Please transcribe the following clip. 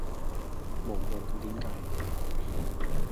無論我點計